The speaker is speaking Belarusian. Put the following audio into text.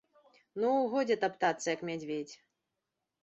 Ну, годзе таптацца, як мядзведзь.